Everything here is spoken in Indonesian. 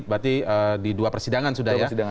berarti di dua persidangan sudah ya